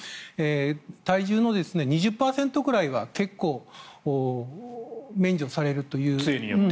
体重の２０％くらいは結構、免除されるという。